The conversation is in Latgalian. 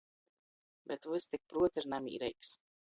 Bet vys tik pruots ir namīreigs.